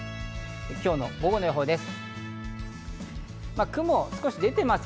今日の午後の予報です。